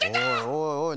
おいおい